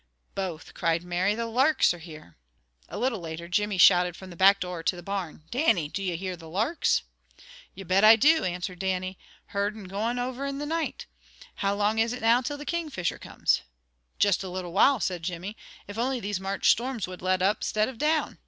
"Both," cried Mary. "The larks are here!" A little later Jimmy shouted from the back door to the barn: "Dannie, do you hear the larks?" "Ye bet I do," answered Dannie. "Heard ane goin' over in the nicht. How long is it now till the Kingfisher comes?" "Just a little while," said Jimmy. "If only these March storms would let up 'stid of down!